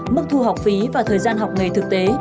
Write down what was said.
mức thu học phí và thời gian học nghề thực tế